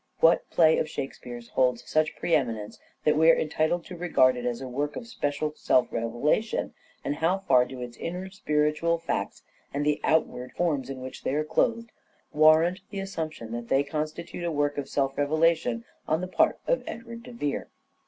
What play of Shakespeare's holds such pre eminence that we are entitled to regard it as a work of special self revelation, and how far do its inner spiritual facts, and the outward forms in which they are clothed, warrant the assumption that they constitute a work of self revelation on the part of Edward de Vere